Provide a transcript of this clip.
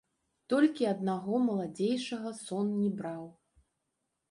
Толькі аднаго маладзейшага сон не браў.